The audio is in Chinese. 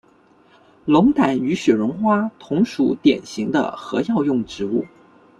龙胆与雪绒花同属典型的和药用植物。